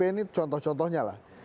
ini contoh contohnya lah